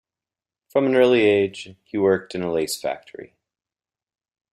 From an early age he worked in a lace factory.